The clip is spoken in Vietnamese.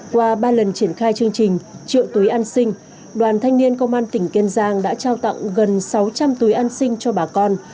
qua ba lần triển khai chương trình triệu túi an sinh đoàn thanh niên công an tỉnh kiên giang đã trao tặng gần sáu trăm linh túi an sinh cho bà con